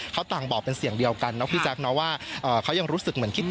เขาต่างบอกเป็นเสียงเดียวกันเนาะพี่แจ๊คเนอะว่าเขายังรู้สึกเหมือนคิด